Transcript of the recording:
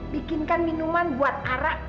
bikinkan minuman buat arah